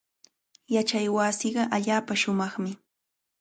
Yachaywasiiqa allaapa shumaqmi.